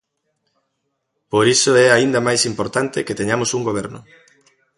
Por iso é aínda máis importante que teñamos un Goberno.